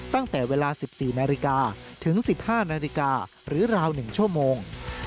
ตั้งแต่เวลา๑๔นาฬิกาถึง๑๕นาฬิกาหรือราว๑ชั่วโมง